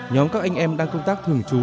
nhóm các anh em đang công tác thường trú